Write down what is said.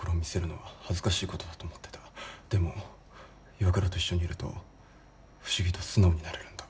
でも岩倉と一緒にいると不思議と素直になれるんだ。